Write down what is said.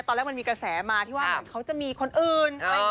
ตอนแรกมันมีเกษตรมาที่ว่าเขาจะมีคนอื่น